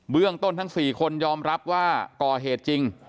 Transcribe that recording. เรื่องต้นทั้ง๔คนยอมรับว่าก่อเหตุจริง